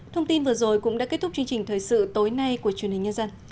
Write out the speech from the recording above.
thông tin vừa rồi cũng đã kết thúc chương trình thời sự tối nay của truyền hình nhân dân